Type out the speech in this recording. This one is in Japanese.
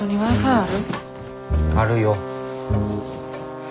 あるよ。